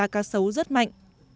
cá sấu rất mạnh